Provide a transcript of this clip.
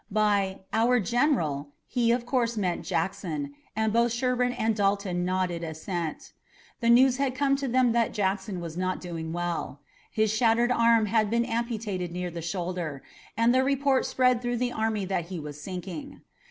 By "our General" he of course meant Jackson, and both Sherburne and Dalton nodded assent. The news had come to them that Jackson was not doing well. His shattered arm had been amputated near the shoulder, and the report spread through the army that he was sinking.